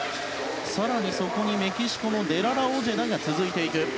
更にメキシコのデ・ララ・オジェダが続いていく。